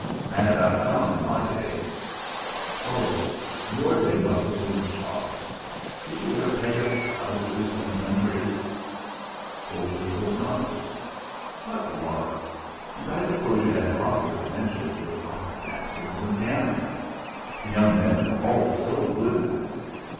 "Man about town in my day." "Oh! your day must have been jolly. Did you wear peg top trousers, and dundreary's?" Old Heythorp nodded. "What larks! And I suppose you had lots of adventures with opera dancers and gambling. The young men are all so good now."